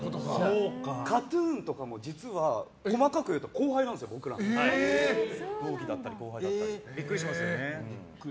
ＫＡＴ‐ＴＵＮとかも実は細かく言うと後輩なんですよ、僕らの。同期だったり後輩だったり。